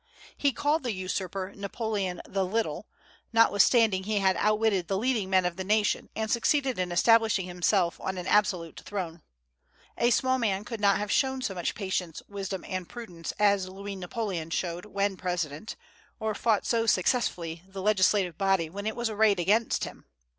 He called the usurper "Napoleon the Little," notwithstanding he had outwitted the leading men of the nation and succeeded in establishing himself on an absolute throne. A small man could not have shown so much patience, wisdom, and prudence as Louis Napoleon showed when President, or fought so successfully the legislative body when it was arrayed against him.